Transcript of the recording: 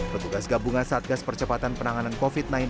petugas gabungan satgas percepatan penanganan covid sembilan belas